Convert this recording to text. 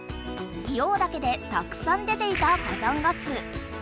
硫黄岳でたくさん出ていた火山ガス。